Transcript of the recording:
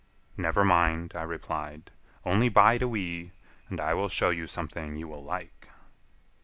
"Never mind," I replied, "only bide a wee, and I will show you something you will like."